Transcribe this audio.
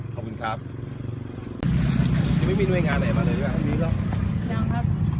ก็ไม่รักก็ไม่รักก็ไม่รักก็ไม่รัก